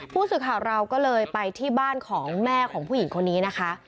ผู้สื่อข่าวเราก็เลยไปที่บ้านของแม่ของผู้หญิงคนนี้นะคะ